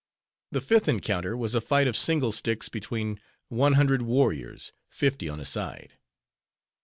The fifth encounter was a fight of single sticks between one hundred warriors, fifty on a side.